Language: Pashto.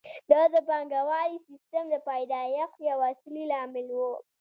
دا د پانګوالي سیسټم د پیدایښت یو اصلي لامل وو